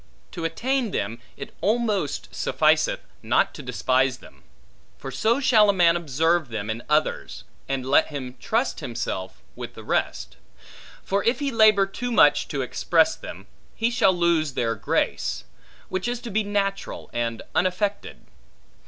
To attain them, it almost sufficeth not to despise them; for so shall a man observe them in others; and let him trust himself with the rest. For if he labor too much to express them, he shall lose their grace; which is to be natural and unaffected.